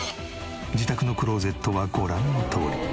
自宅のクローゼットはご覧のとおり。